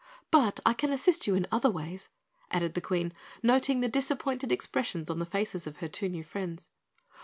But I can assist you in other ways," added the Queen, noting the disappointed expressions on the faces of her two new friends.